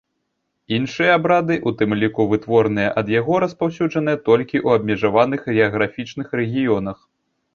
Іншыя абрады, у тым ліку, вытворныя ад яго, распаўсюджаныя толькі ў абмежаваных геаграфічных рэгіёнах.